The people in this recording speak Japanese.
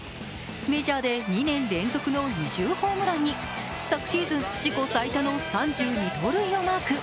メジャーで２年連続の２０ホームランに昨シーズン自己最多の３２盗塁をマーク。